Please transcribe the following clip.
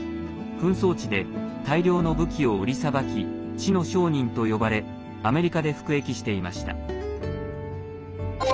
紛争地で大量の武器を売りさばき死の商人と呼ばれアメリカで服役していました。